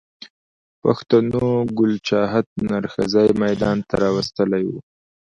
پښتنو ګل چاهت نر ښځی ميدان ته را وستلی و